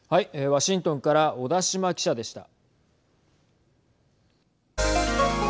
ワシントンから小田島記者でした。